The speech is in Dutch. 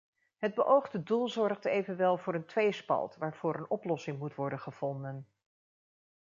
Het beoogde doel zorgt evenwel voor een tweespalt waarvoor een oplossing moet worden gevonden.